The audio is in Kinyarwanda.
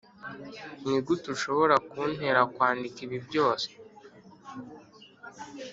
nigute ushobora kuntera kwandika ibi byose.